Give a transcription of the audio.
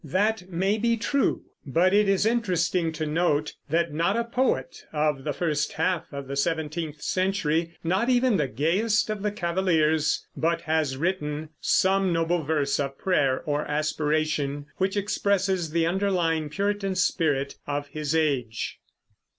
That may be true; but it is interesting to note that not a poet of the first half of the seventeenth century, not even the gayest of the Cavaliers, but has written some noble verse of prayer or aspiration, which expresses the underlying Puritan spirit of his age.